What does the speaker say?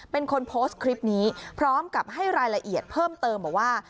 เป็นคนโพสต์คลิปนี้พร้อมกับให้รายละเอียดเพิ่มเติมบอกว่า